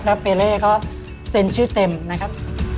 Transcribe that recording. แล้วเปเล่ก็เซ็นชื่อเต็มนะครับ